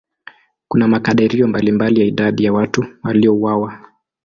Kuna makadirio mbalimbali ya idadi ya watu waliouawa.